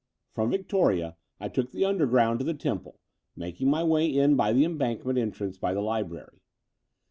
From Victoria I took the Underground to the Temple, making my way in by the Embankment entrance by the Library.